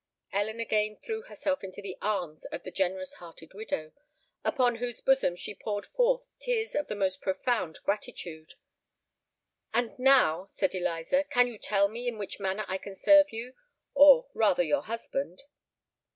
Ellen again threw herself into the arms of the generous hearted widow, upon whose bosom she poured forth tears of the most profound gratitude. "And now," said Eliza, "can you tell me in which manner I can serve you—or rather your husband?"